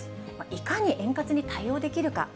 いかに円滑に対応できるか。